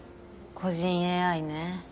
故人ＡＩね。